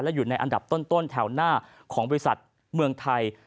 อยู่ในอันดับต้นแถวหน้าของบริษัทเมืองไทย